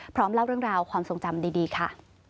เล่าเรื่องราวความทรงจำดีค่ะ